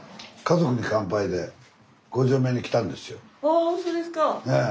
あそうですか。ええ。